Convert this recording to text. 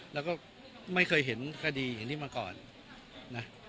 แล้วก็ไม่เคยเห็นคดีอย่างนี้มาก่อนนะ